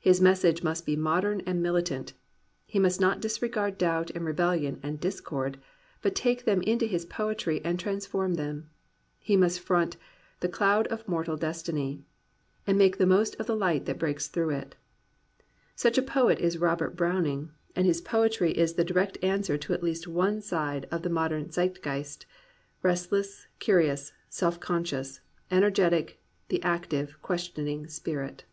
His message must be modern and militant. He must not disregard doubt and rebelhon and discord, but take them into his poetry and trans form them. He must front "The cloud of mortal destiny," and make the most of the light that breaks through it. Such a poet is Robert Browning; and his poetry 238 GLORY OF THE IMPERFECT*' is the direct answer to at least one side of the mod em Zeitgeist^ restless, curious, self conscious, ener getic, the active, questioning spirit.